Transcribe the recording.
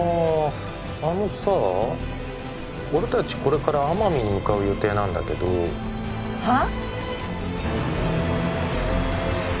あのさ俺達これから奄美に向かう予定なんだけどはあ？